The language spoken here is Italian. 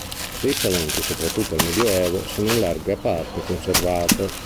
Risalenti soprattutto al medioevo, sono in larga parte conservate.